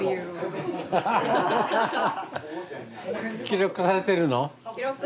記録されてます。